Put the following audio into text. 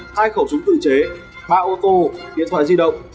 hai khẩu súng tự chế ba ô tô điện thoại di động